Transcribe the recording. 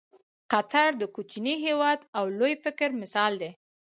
قطر د کوچني هېواد او لوی فکر مثال دی.